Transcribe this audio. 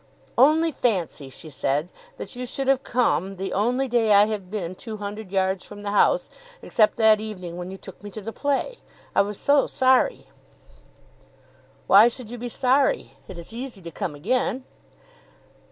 "Only fancy," she said, "that you should have come the only day I have been two hundred yards from the house, except that evening when you took me to the play. I was so sorry." "Why should you be sorry? It is easy to come again."